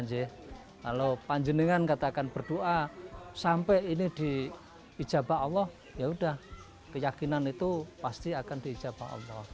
jadi dengan katakan berdoa sampai ini diijabah allah ya sudah keyakinan itu pasti akan diijabah allah